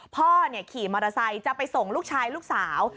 พ่อขี่มอเตอร์ไซค์จะไปส่งลูกชายลูกสาว